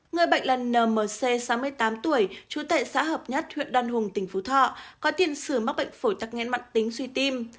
người bệnh là nmc sáu mươi tám tuổi chú tệ xã hợp nhất huyện đoàn hùng tỉnh phú thọ có tiền xử mắc bệnh phổi tắc nghẽn mặn tính suy tim